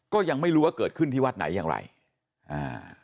ก็ยังไม่รู้ว่าเกิดขึ้นที่วัดไหนอย่างไรอ่า